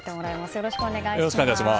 よろしくお願いします。